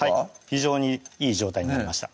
非常にいい状態になりました